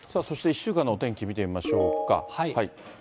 そして１週間のお天気、見てみましょうか。